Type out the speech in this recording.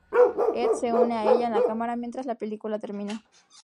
Ed se une a ella en la cámara mientras la película termina.